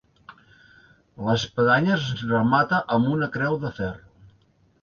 L'espadanya es remata amb una creu de ferro.